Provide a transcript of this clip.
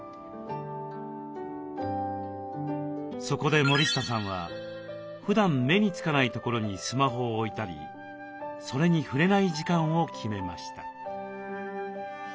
そこで森下さんはふだん目につかない所にスマホを置いたりそれに触れない時間を決めました。